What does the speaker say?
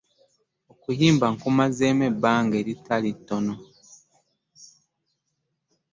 Okuyimba nkumazeemu ebbanga eritali ttono.